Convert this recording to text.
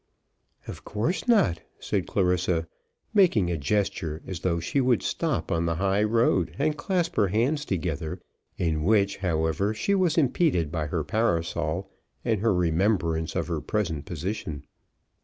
"Of course not," said Clarissa, making a gesture as though she would stop on the high road and clasp her hands together, in which, however, she was impeded by her parasol and her remembrance of her present position.